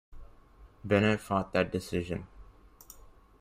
Bennett fought that decision.